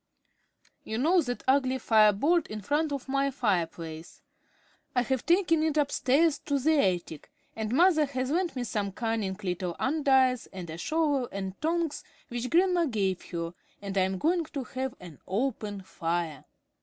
"You know that ugly fire board in front of my fireplace? I have taken it upstairs to the attic, and mother has lent me some cunning little andirons and a shovel and tongs which grandmamma gave her, and I am going to have an open fire."